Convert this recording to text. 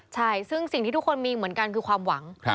ใช่ซึ่งสิ่งที่ทุกคนมีเหมือนกันคือความหวัง